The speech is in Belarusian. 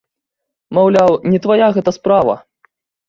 Маўляў, не твая гэта справа!